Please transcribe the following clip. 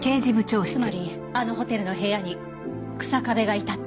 つまりあのホテルの部屋に日下部がいたって事です。